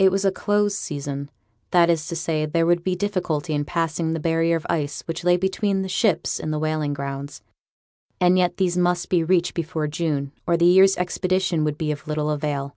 It was a 'close' season, that is to say, there would be difficulty in passing the barrier of ice which lay between the ships and the whaling grounds; and yet these must be reached before June, or the year's expedition would be of little avail.